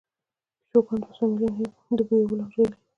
پیشوګان دوه سوه میلیونه د بویولو حجرې لري.